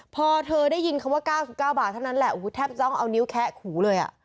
พอเธอได้ยินคำว่า๙๙บาทเท่านั้นแหละแทบจะต้องเอานิ้วแคะหูเลยอ่ะ